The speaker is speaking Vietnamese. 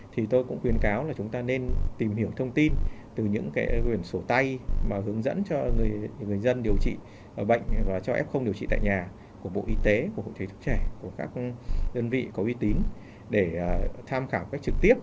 thì tôi cũng khuyên cáo là chúng ta nên tìm hiểu thông tin từ những cái quyển sổ tay mà hướng dẫn cho người dân điều trị bệnh và cho f điều trị tại nhà của bộ y tế của hội thế thức trẻ của các đơn vị có uy tín để tham khảo cách trực tiếp